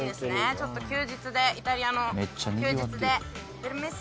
ちょっと休日でイタリアの休日で。